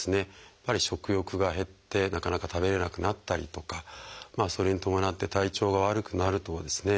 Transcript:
やっぱり食欲が減ってなかなか食べれなくなったりとかそれに伴って体調が悪くなるとですね